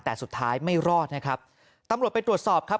แต่สุดท้ายไม่รอดนะครับตำรวจไปตรวจสอบครับ